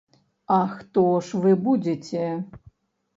А хто ж вы будзеце?